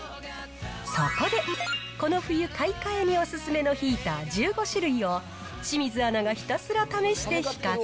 そこで、この冬、買い替えにお勧めのヒーター１５種類を、清水アナがひたすら試して比較。